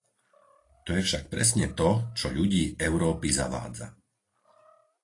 To je však presne to, čo ľudí Európy zavádza.